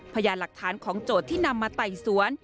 พยานหลักฐานของโจทย์ที่นำมาไต่สวน